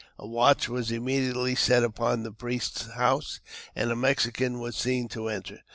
A watch was immediately set upon the priest's house, and a Mexican was seen to enter.